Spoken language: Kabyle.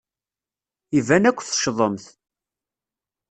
Iban akk teccḍemt.